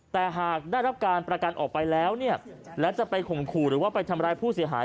แต่หากได้รับการประกันออกไปแล้วเนี่ยแล้วจะไปข่มขู่หรือว่าไปทำร้ายผู้เสียหาย